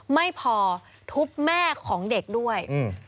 ไม่พอทุบแม่ของเด็กด้วย